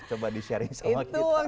coba di sharing sama kita